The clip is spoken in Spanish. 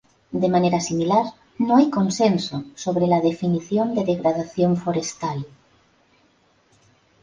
De manera similar, no hay consenso sobre la definición de degradación forestal.